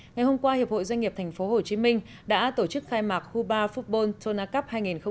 ngày hôm qua hiệp hội doanh nghiệp tp hcm đã tổ chức khai mạc huba football tona cup hai nghìn một mươi bảy